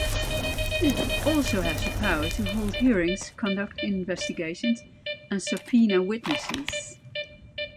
It also has the power to hold hearings, conduct investigations, and subpoena witnesses.